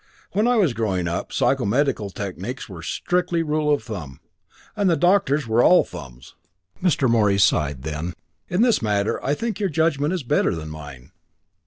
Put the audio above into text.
When I was growing up, psychomedical techniques were strictly rule of thumb and the doctors were all thumbs." Mr. Morey sighed. Then, "In this matter, I think your judgment is better than mine."